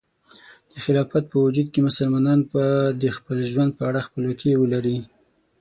د خلافت په وجود کې، مسلمانان به د خپل ژوند په اړه خپلواکي ولري.